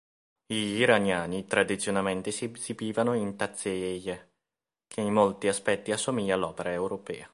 Gli iraniani tradizionalmente si esibivano in "Tazeeieh",che in molti aspetti assomiglia all'Opera europea.